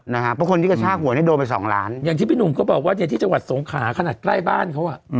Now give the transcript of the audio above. เพราะคนที่กระชากหัวเนี่ยโดนไปสองล้านอย่างที่พี่หนุ่มก็บอกว่าเนี่ยที่จังหวัดสงขาขนาดใกล้บ้านเขาอ่ะ